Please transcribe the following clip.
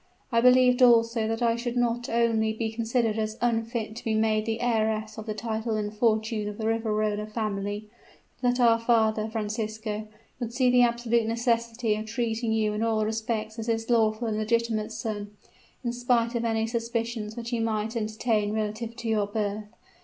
I believed also that I should not only be considered as unfit to be made the heiress of the title and fortune of the Riverola family, but that our father, Francisco, would see the absolute necessity of treating you in all respects as his lawful and legitimate son, in spite of any suspicions which he might entertain relative to your birth.